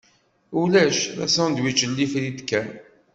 Ulac, d asandwič n lifrit kan.